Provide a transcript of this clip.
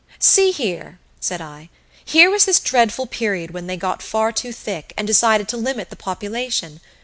"See here," said I. "Here was this dreadful period when they got far too thick, and decided to limit the population.